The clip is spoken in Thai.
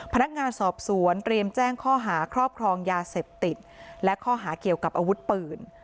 พนักงานสอบสวนเตรียมแจ้งข้อหาครอบครองยาเสพติดและข้อหาเกี่ยวกับอาวุธปืน